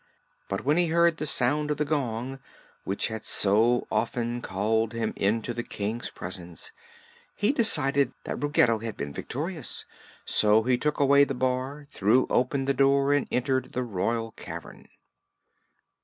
But when he heard the sound of the gong, which had so often called him into the King's presence, he decided that Ruggedo had been victorious; so he took away the bar, threw open the door and entered the royal cavern.